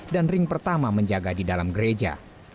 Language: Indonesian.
dan ring pertama menjaga di dalam gereja